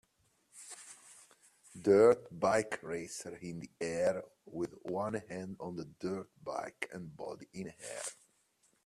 Dirt bike racer in the air with one hand on the dirt bike and body in air.